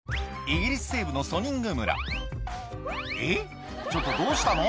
イギリス西部のソニング村えっちょっとどうしたの？